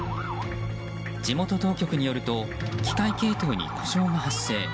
地元当局によると機械系統に故障が発生。